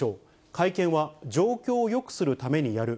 会見は状況をよくするためにやる。